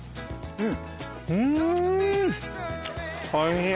うん。